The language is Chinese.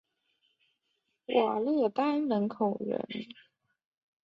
瓦勒丹门人口变化图示